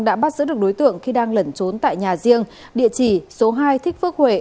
đã bắt giữ được đối tượng khi đang lẩn trốn tại nhà riêng địa chỉ số hai thích phước huệ